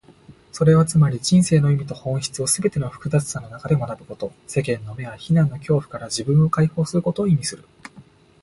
それはつまり、人生の意味と本質をすべての複雑さの中で学ぶこと、世間の目や非難の恐怖から自分を解放することを意味する。